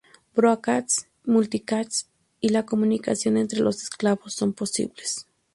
Broadcast, Multicast y la comunicación entre los esclavos son posibles.